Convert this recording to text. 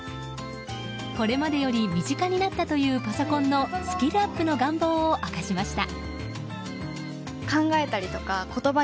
これまでより身近になったというパソコンのスキルアップの願望を明かしました。